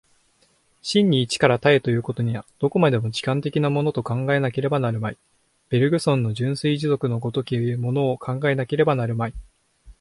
真に一から多へというには、どこまでも時間的なものと考えなければなるまい、ベルグソンの純粋持続の如きものを考えなければなるまい。